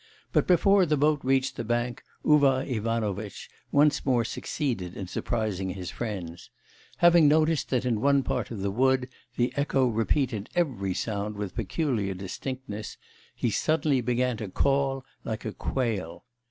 But before the boat reached the bank, Uvar Ivanovitch once more succeeded in surprising his friends; having noticed that in one part of the wood the echo repeated every sound with peculiar distinctness, he suddenly began to call like a quail.